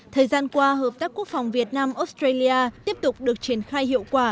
thời gian qua hợp tác quốc phòng việt nam australia tiếp tục được triển khai hiệu quả